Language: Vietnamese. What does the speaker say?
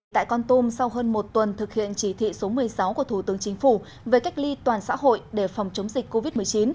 tại con tum sau hơn một tuần thực hiện chỉ thị số một mươi sáu của thủ tướng chính phủ về cách ly toàn xã hội để phòng chống dịch covid một mươi chín